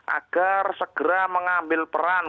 agar segera mengambil peran